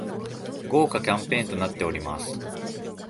豪華キャンペーンとなっております